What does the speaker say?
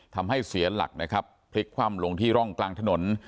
ทำให้เสียหลักนะครับพลิกคว่ำลงที่ร่องกลางถนน